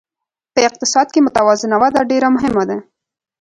په اقتصاد کې متوازنه وده ډېره مهمه ده.